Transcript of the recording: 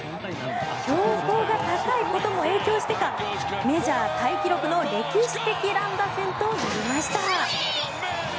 標高が高いことも影響してかメジャータイ記録の歴史的乱打戦となりました。